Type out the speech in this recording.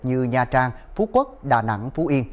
như nha trang phú quốc đà nẵng phú yên